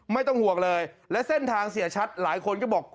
ไม่ต้องห่วงเลยและเส้นทางเสียชัดหลายคนก็บอก